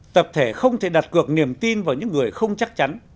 tập thể không thể đặt cược niềm tin vào những người không chắc chắn